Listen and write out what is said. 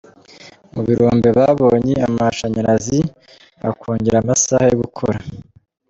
Mu birombe babonye amashanyarazi bakongera amasaha yo gukora.